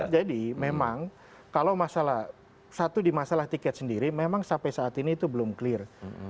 jadi memang kalau masalah satu di masalah tiket sendiri memang sampai saat ini itu belum clear